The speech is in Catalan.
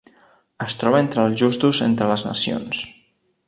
Es troba entre els Justos entre les Nacions.